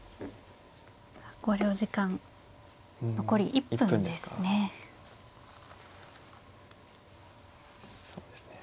考慮時間残り１分ですね。